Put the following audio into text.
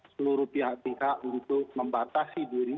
seluruh pihak pihak untuk membatasi diri